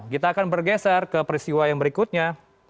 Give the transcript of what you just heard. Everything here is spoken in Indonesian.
kita akan bergeser ke peristiwa yang berikutnya